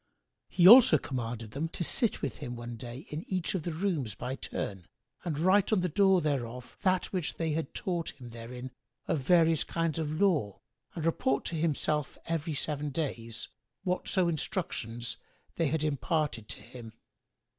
He also commanded them to sit with him one day in each of the rooms by turn and write on the door thereof that which they had taught him therein of various kinds of lore and report to himself, every seven days, whatso instructions they had imparted to him.